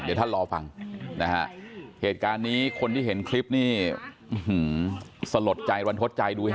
เดี๋ยวท่านรอฟังนะฮะเหตุการณ์นี้คนที่เห็นคลิปนี้สลดใจรันทดใจดูฮะ